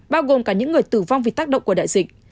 bao gồm cả những người tử vong vì tác động của đại dịch